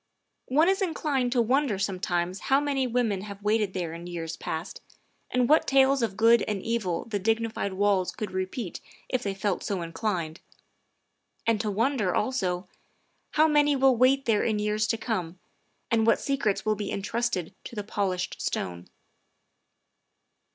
One is inclined to wonder sometimes how many women have waited there in years past, and what tales of good and evil the dignified walls could repeat if they felt so inclined; and to wonder, also, how many will wait there in years to come, and what secrets will be entrusted to the polished stone.